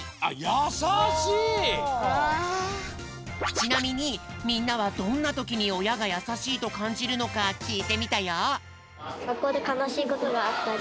ちなみにみんなはどんなときにおやがやさしいとかんじるのかきいてみたよ。